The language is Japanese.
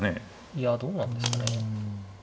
いやどうなんですかね。